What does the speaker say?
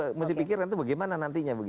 harus dipikirkan bagaimana nantinya